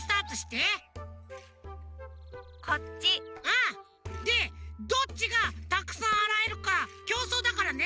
うん！でどっちがたくさんあらえるかきょうそうだからね！